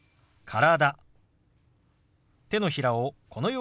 「体」。